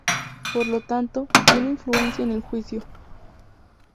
Por lo tanto, tiene influencia en el juicio.